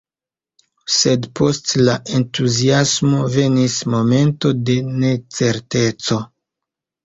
Sed, post la entuziasmo, venis momento de necerteco.